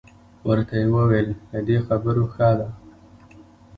ورته یې وویل له دې خبرو ښه ده.